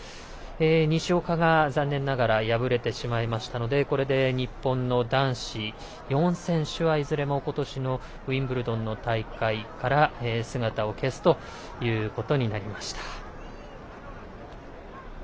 西岡が残念ながら敗れてしまいましたのでこれで日本の男子４選手はいずれも、ことしのウィンブルドンの大会から姿を消すということになりました。